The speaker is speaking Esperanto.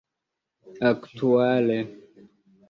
aktuale